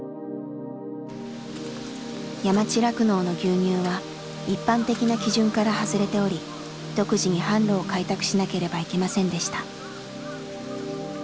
山地酪農の牛乳は一般的な基準から外れており独自に販路を開拓しなければいけませんでした。